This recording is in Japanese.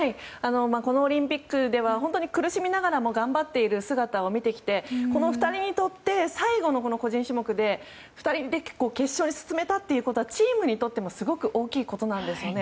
このオリンピックでは苦しみながらも頑張っている姿を見てきてこの２人にとって最後の個人種目で２人で決勝に進めたということはチームにとってもすごく大きいことなんですよね。